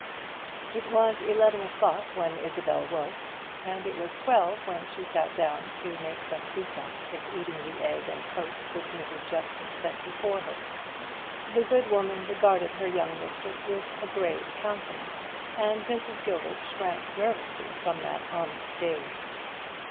It was eleven o'clock when Isabel woke; and it was twelve when she sat down to make some pretence of eating the egg and toast which Mrs. Jeffson set before her. The good woman regarded her young mistress with a grave countenance, and Mrs. Gilbert shrank nervously from that honest gaze.